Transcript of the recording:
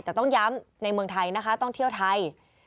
แต่ต้องย้ำในเมืองไทยนะคะต้องเที่ยวไทย